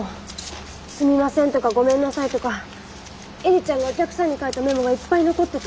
「すみません」とか「ごめんなさい」とか映里ちゃんがお客さんに書いたメモがいっぱい残ってて。